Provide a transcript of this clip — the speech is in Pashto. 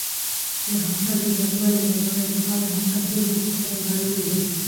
د حاصل د زیاتوالي لپاره د خاورې حاصلخېزۍ ساتنه ضروري ده.